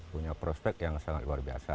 punya prospek yang sangat luar biasa